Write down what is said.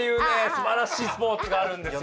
すばらしいスポーツがあるんですよ。